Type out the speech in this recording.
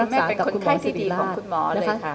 แม่เป็นคนไข้ที่ดีของคุณหมอเลยค่ะ